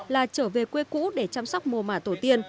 là trở về quê cũ để chăm sóc mộ mả tổ tiên